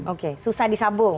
oke susah disambung